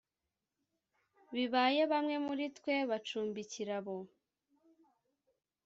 bibaye bamwe muri twe bacumbikira abo